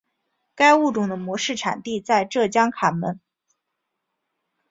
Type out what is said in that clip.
该物种的模式产地在浙江坎门。